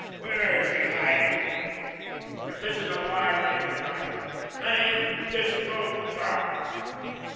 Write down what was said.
Where is he hiding? If this is a lie, let him deny it. Let HIM DISPROVE the charge."